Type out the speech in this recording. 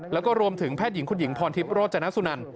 แล้วก็รวมถึงแพทย์หญิงคุณหญิงพรทิพย์โรจนสุนัน